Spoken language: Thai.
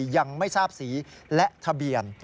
ยังไม่ทราบสีและทะเบียน